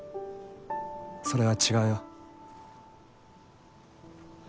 それは違うよ。